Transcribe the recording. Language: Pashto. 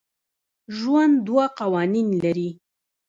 ژوند دوه قوانین لري.